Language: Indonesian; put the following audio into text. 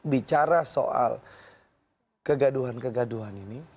bicara soal kegaduhan kegaduhan ini